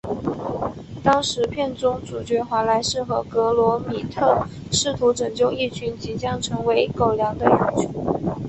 当时片中主角华莱士和格罗米特试图拯救一群即将成为狗粮的羊群。